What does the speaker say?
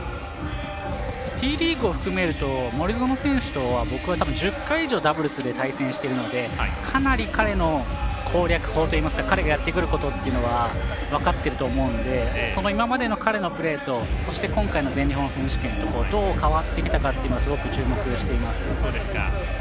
Ｔリーグを含めると森薗選手とは１０回以上ダブルスを対戦しているのでかなり彼の攻略法といいますか彼がやってくることというのは分かっていると思うので今までの彼のプレーとそして、今回の全日本選手権どう変わってきたかすごく注目しています。